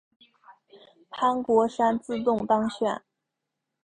潘国山自动当选。